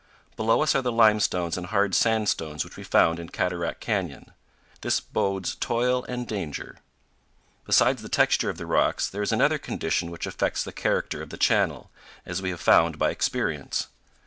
Below us are the limestones and hard sandstones which we found in Cataract Canyon. This bodes toil and danger. Besides the texture of the rocks, there is another condition which affects the character of the channel, as we have found by experience.